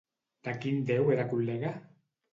De quin déu era col·lega?